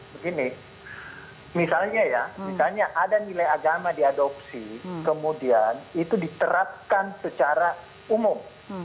begini misalnya ya misalnya ada nilai agama diadopsi kemudian itu diterapkan secara umum